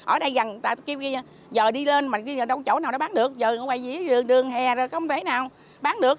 ở đây gần giờ đi lên mà đâu có chỗ nào đã bán được giờ ở ngoài dưới đường hè không thấy nào bán được